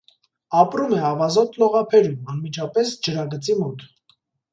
Ապրում է ավազոտ լողափերում՝ անմիջապես ջրագծի մոտ։